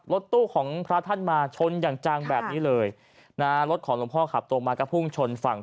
รถตู้ของพระท่านมาชนอย่างจังแบบนี้เลยนะฮะรถของหลวงพ่อขับตรงมาก็พุ่งชนฝั่ง